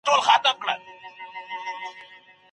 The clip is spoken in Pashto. وطن د هیلې او راتلونکي روښانه رڼا ده.